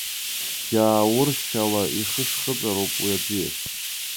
Гьааур шьала ихышхыҵәароуп уи аӡиас!